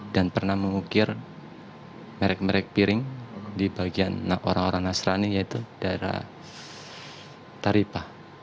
dan pernah mengukir merek merek piring di bagian orang orang nasrani yaitu daerah taripah